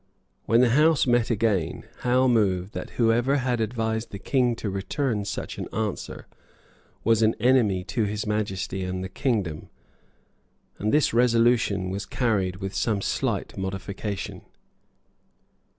When the House met again, Howe moved that whoever had advised the King to return such an answer was an enemy to His Majesty and the kingdom; and this resolution was carried with some slight modification.